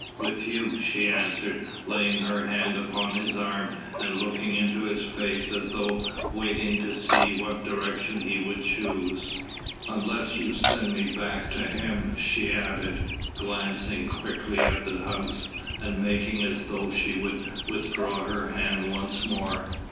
"With you," she answered, laying her hand upon his arm and looking into his face as though waiting to see what direction he would choose. "Unless you send me back to him," she added, glancing quickly at the house and making as though she would withdraw her hand once more.